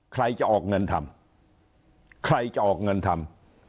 ใครจะออกเงินทำใครจะออกเงินทำ